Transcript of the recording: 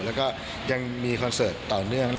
แล้วก็ยังมีคอนเสิร์ตต่อเนื่อง